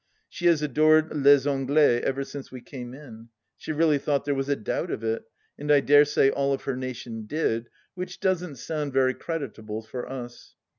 She has adored Les Anglais ever since we " came in." She really thought there was a doubt of it, and I dare say all of her nation did, which doesn't sound very creditable for us